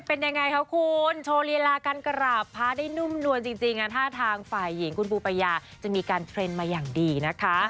เป็นยังไงคะคุณโชว์ลีลาการกราบพระได้นุ่มนวลจริงงานท่าทางฝ่ายหญิงคุณปูปายาจะมีการเทรนด์มาอย่างดีนะคะ